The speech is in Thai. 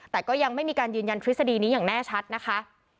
แต่ก็ยังไม่มีการยืนยันทฤษฎีนี้อย่างแน่ชัดนะคะ